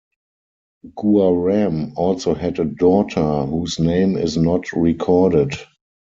Guaram also had a daughter whose name is not recorded.